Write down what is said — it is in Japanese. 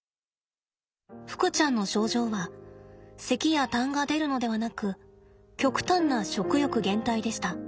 ふくちゃんの症状はせきやたんが出るのではなく極端な食欲減退でした。